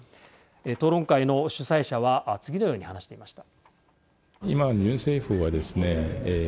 討論会の主催者は次のように話していました。